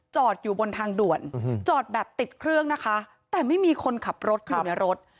จอดอยู่บนทางด่วนจอดแบบติดเครื่องนะคะแต่ไม่มีคนขับรถอยู่ในรถ